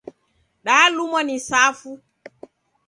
Dalumwa ni safu.